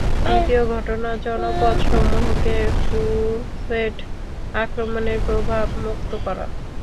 দ্বিতীয় ঘটনাঃ জনপদসমূহকে ক্রুসেড আক্রমণের প্রভাবমুক্ত করা।